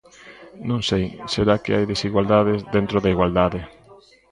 Non sei, será que hai desigualdades dentro da igualdade.